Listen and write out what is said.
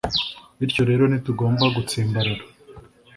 Bityo rero ntitugomba gutsimbarara